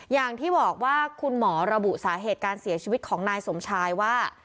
อย่างที่บอกว่าคุณหมอระบุสาเหตุการเสียชีวิตของนายสมชายว่า